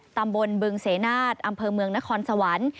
ตำบลบึงเสนาทอำเภอเมืองนครสวรรค์